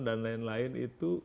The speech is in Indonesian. dan lain lain itu